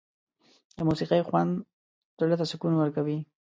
د موسيقۍ خوند زړه ته سکون ورکوي.